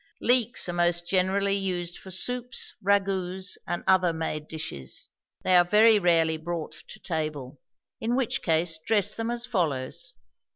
Leeks are most generally used for soups, ragouts, and other made dishes. They are very rarely brought to table; in which case dress them as follows.